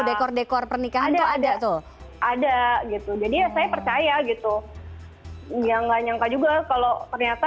dekor dekor pernikahannya ada tuh ada gitu jadi ya saya percaya gitu ya nggak nyangka juga kalau ternyata